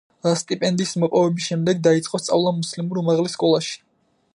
სტიპენდიის მოპოვების შემდეგ დაიწყო სწავლა მუსლიმურ უმაღლეს სკოლაში.